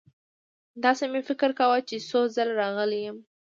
داسې مې فکر کاوه چې څو ځله راغلی یم.